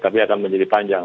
tapi akan menjadi panjang